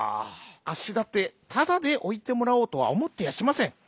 「あっしだってただでおいてもらおうとはおもってやしません。